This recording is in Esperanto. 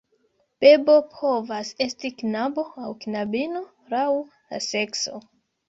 Bebo povas esti knabo aŭ knabino, laŭ la sekso.